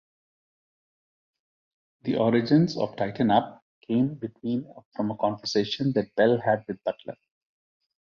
The origins of "Tighten Up" came from a conversation Bell had with Butler.